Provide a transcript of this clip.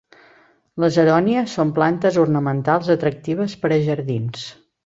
Les arònies són plantes ornamentals atractives per a jardins.